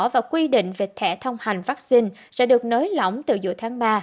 và quy định về thẻ thông hành vaccine sẽ được nới lỏng từ giữa tháng ba